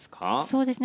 そうですね。